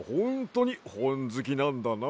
にほんずきなんだな。